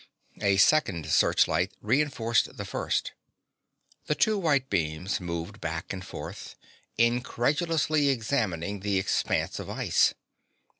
A second searchlight reënforced the first. The two white beams moved back and forth, incredulously examining the expanse of ice.